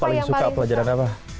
paling suka pelajaran apa